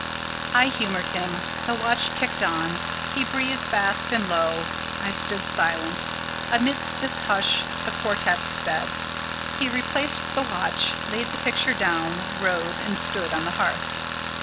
I humoured him: the watch ticked on: he breathed fast and low: I stood silent. Amidst this hush the quartet sped; he replaced the watch, laid the picture down, rose, and stood on the hearth.